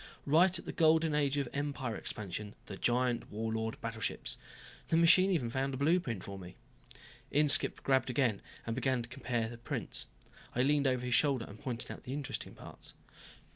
Right at the Golden Age of Empire expansion, the giant Warlord battleships. The machine even found a blueprint for me." Inskipp grabbed again and began comparing the two prints. I leaned over his shoulder and pointed out the interesting parts.